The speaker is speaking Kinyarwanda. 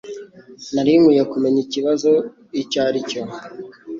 Nari nkwiye kumenya ikibazo icyo ari cyo.